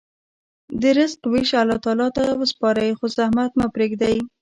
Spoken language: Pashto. د رزق ویش الله تعالی ته وسپارئ، خو زحمت مه پرېږدئ.